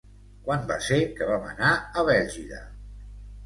Quan va ser que vam anar a Bèlgida?